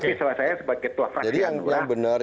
tapi selesai sebagai ketua fraksi hanura